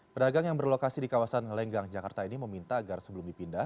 pedagang yang berlokasi di kawasan lenggang jakarta ini meminta agar sebelum dipindah